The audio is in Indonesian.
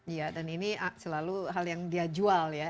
iya dan ini selalu hal yang dia jual ya